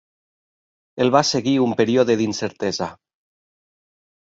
El va seguir un període d'incertesa.